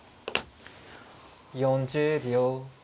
４０秒。